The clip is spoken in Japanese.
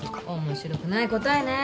面白くない答えね。